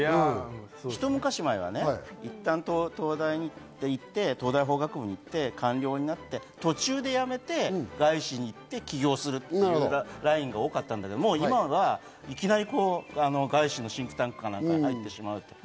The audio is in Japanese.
ひと昔前はいったん東大に行って東大法学部に行って、官僚になって途中でやめて、外資に行って、起業するというラインが多かったんだけど、今はいきなり外資のシンクタンクに入ってしまうという。